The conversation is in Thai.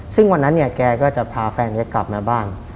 ซึ่งวันนั้นเนี่ยแกก็จะพาแฟนนี้กลับมาบ้าน